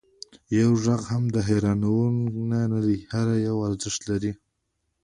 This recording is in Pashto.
یو غږ هم د هېروانیو نه دی، هر یو ارزښت لري.